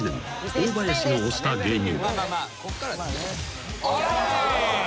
大林が推した芸人］